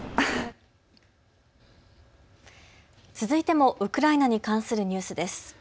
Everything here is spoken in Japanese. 続いてもウクライナに関するニュースです。